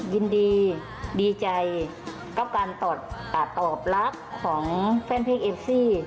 ยินดีดีใจกับการตอบรับของแฟนเพลงเอฟซี่